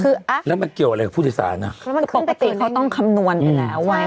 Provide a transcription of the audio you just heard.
คืออ่ะแล้วมันเกี่ยวกับอะไรกับผู้โดยสารน่ะแล้วมันขึ้นไปเกินปกติเขาต้องคำนวณไปแล้ว